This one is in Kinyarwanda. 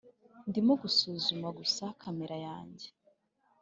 ndimo gusuzuma gusa kamera yanjye.